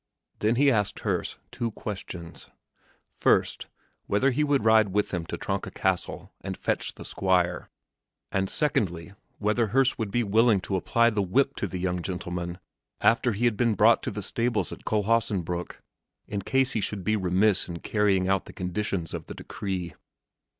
Then he asked Herse two questions: first, whether he would ride with him to Tronka Castle and fetch the Squire; and, secondly, whether Herse would be willing to apply the whip to the young gentleman after he had been brought to the stables at Kohlhaasenbrück, in case he should be remiss in carrying out the conditions of the decree.